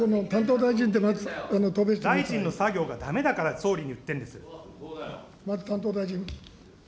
大臣の作業がだめだから総理まず担当大臣。